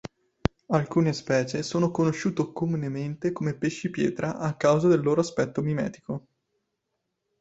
Alcune specie sono conosciute comunemente come pesci pietra a causa del loro aspetto mimetico.